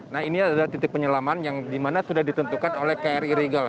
nah ini adalah titik penyelaman yang dimana sudah ditentukan oleh kri rigel